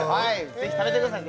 ぜひ食べてください